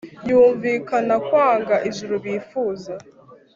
yumvikana kwanga ijuru bifuza